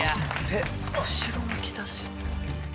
後ろ向きだし。